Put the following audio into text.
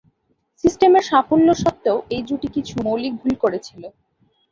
সিস্টেমের সাফল্য সত্ত্বেও, এই জুটি কিছু মৌলিক ভুল করেছিল।